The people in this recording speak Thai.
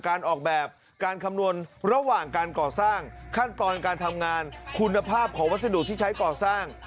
การออกแบบการคำนวณระหว่างการก่อสร้างขั้นตอนการทำงานคุณภาพของวัสดุที่ใช้ก่อสร้าง